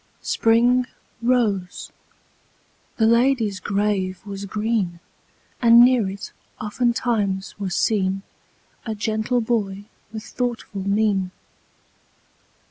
Spring rose; the lady's grave was green; And near it, oftentimes, was seen A gentle boy with thoughtful mien.